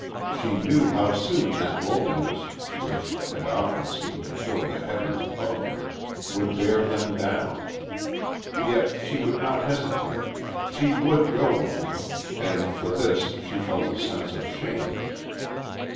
She knew how soon that loneliness, which had often seemed to fill the heavens above her, would bear them down. Yet she would not hesitate; she would go with him, and for this she felt a sense of shame.